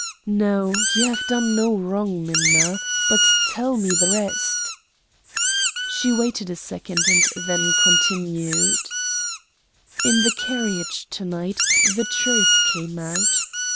"No, you have done no wrong, Minna; but tell me the rest." She waited a second, and then continued: "In the carriage, to night, the truth came out.